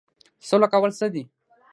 سوله کول څه دي؟